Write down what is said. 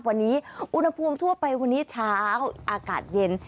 วันนี้อุณหภูมิทั่วไปวันนี้เช้าอากาศเย็น